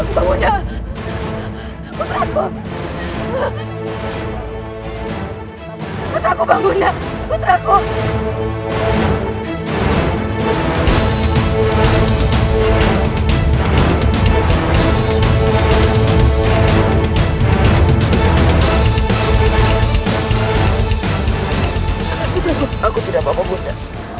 berani berani kau melukai bunda